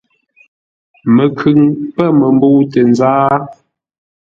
Məkhʉŋ pə̂ məmbə̂u tə nzáa.